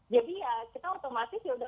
jadi ya kita otomatis ya sudah